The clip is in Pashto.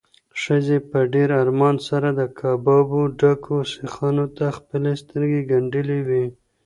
ښځې په ډېر ارمان سره د کبابو ډکو سیخانو ته خپلې سترګې ګنډلې وې.